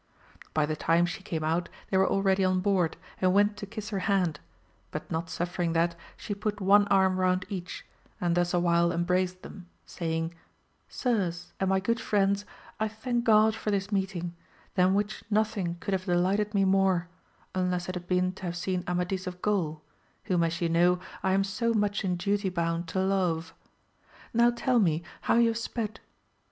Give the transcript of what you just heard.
By the time she came out they were already on board, and went to kiss her hand, but not suffering that, she put one arm round each and thus awhile embraced them, saying, Sirs and my good friends I thank God for this meeting, than which nothing could have delighted me more, unless it had been to have seen Amadis of Gaul, whom as ye know I am so much in duty bound to love. Now tell me AMADI8 OF GAUL. 123 how ye have sped?